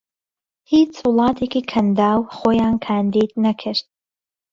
هیچ وڵاتێکی کەنداو خۆیان کاندید نەکرد